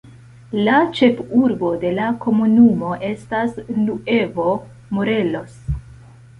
La ĉefurbo de la komunumo estas Nuevo Morelos.